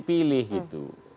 yang dipilih gitu